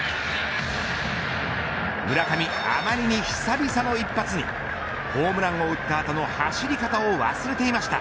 村上、余りに久々の一発にホームランを打った後の走り方を忘れていました